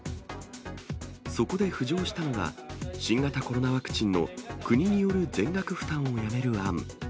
そこで浮上したのが、新型コロナワクチンの国による全額負担をやめる案。